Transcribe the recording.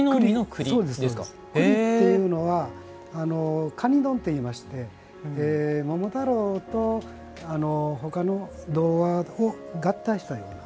栗っていうのは蟹殿っていいまして桃太郎と他の童話を合体したような。